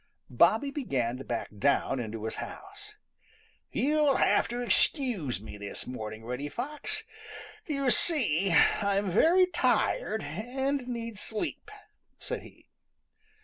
Bobby began to back down into his house. "You'll have to excuse me this morning, Reddy Fox. You see, I'm very tired and need sleep," said he.